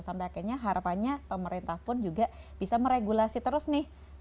sampai akhirnya harapannya pemerintah pun juga bisa meregulasi terus nih